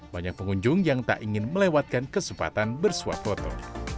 banyak pengunjung yang tak ingin melewatkan kesempatan bersuap foto